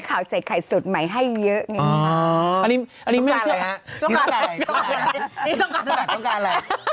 อยากให้ปล่อยไหลไปเรื่อยค่ะ